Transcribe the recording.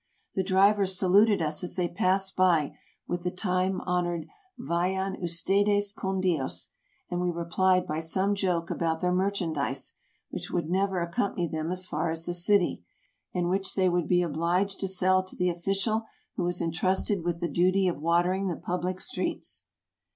The drivers saluted us as they passed by, with the time honored " Vayan Ustedes con Dios, '' and we replied by some joke about their merchandise, which would never accompany them as far as the city, and which they would be obliged to sell to the official who was intrusted with the duty of watering the pub lic streets.